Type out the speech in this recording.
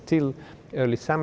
để làm việc ở đây